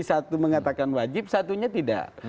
satu mengatakan wajib satunya tidak